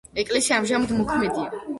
ეკლესია ამჟამად მოქმედია.